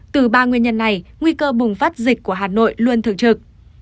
từ ba nguyên nhân này nguy cơ bùng phát dịch của hà nội luôn thường trực